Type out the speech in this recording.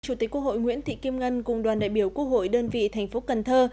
chủ tịch quốc hội nguyễn thị kim ngân cùng đoàn đại biểu quốc hội đơn vị thành phố cần thơ